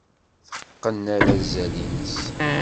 Teqqen arazal-nnes.